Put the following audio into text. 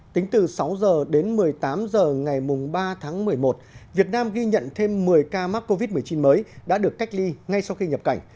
tính từ sáu h đến một mươi tám h ngày ba tháng một mươi một việt nam ghi nhận thêm một mươi ca mắc covid một mươi chín mới đã được cách ly ngay sau khi nhập cảnh